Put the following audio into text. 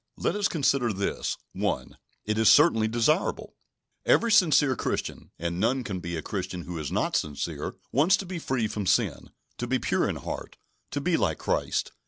Let us consider this. 1. It is certainly desirable. Every sincere Christian and none can be a Christian who is not sincere wants to be free from sin, to be pure in heart, to be like Christ.